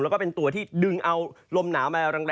แล้วก็เป็นตัวที่ดึงเอาลมหนาวมาแรง